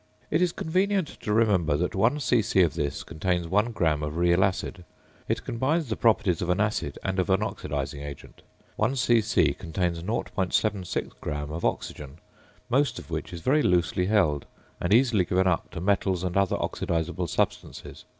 It is convenient to remember that one c.c. of this contains 1 gram of real acid. It combines the properties of an acid and of an oxidising agent. One c.c. contains 0.76 gram of oxygen, most of which is very loosely held, and easily given up to metals and other oxidisable substances.